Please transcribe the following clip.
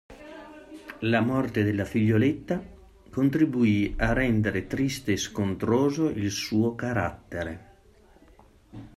La morte della figlioletta contribuì a rendere triste e scontroso il suo carattere.